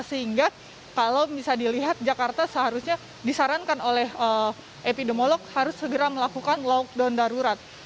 sehingga kalau bisa dilihat jakarta seharusnya disarankan oleh epidemiolog harus segera melakukan lockdown darurat